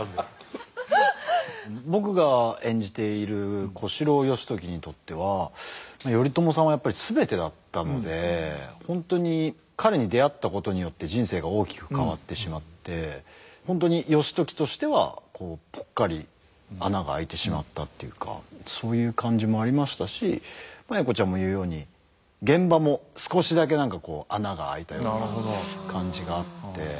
僕が演じている小四郎義時にとっては頼朝さんはやっぱり全てだったので本当に彼に出会ったことによって人生が大きく変わってしまって本当に義時としてはぽっかり穴があいてしまったっていうかそういう感じもありましたし栄子ちゃんも言うように現場も少しだけ何かこう穴があいたような感じがあって。